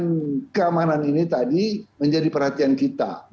berkaitan dengan keamanan ini tadi menjadi perhatian kita